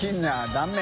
断面。